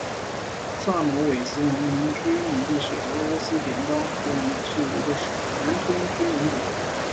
萨莫韦茨农村居民点是俄罗斯联邦沃罗涅日州埃尔季利区所属的一个农村居民点。